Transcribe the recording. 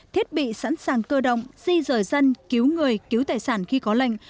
thiết bị sẵn sàng cơ động di rời dân cứu người cứu tài sản khi có lệnh